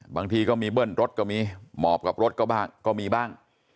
บางทีก็มีเบิ่นรถก็มีหมอบกับรถก็มีบ้าง